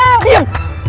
nanti lu dihikit